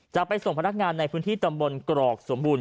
จะไปส่งพนักงานในพื้นที่ตำบลกรอกสมบูรณ